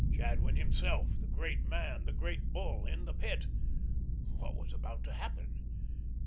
Jadwin himself, the great man, the "Great Bull" in the Pit! What was about to happen?